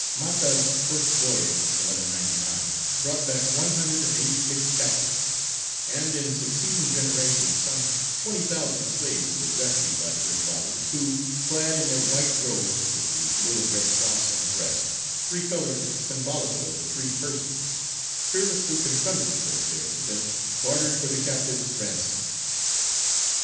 Matha's first voyage (1199) brought back one hundred and eighty six captives, and in succeeding generations some twenty thousand slaves were rescued by the good fathers, who, clad in their white robes, with the blue and red cross on the breast three colours symbolical of the Three Persons fearlessly confronted the Corsairs and bartered for the captives' ransom.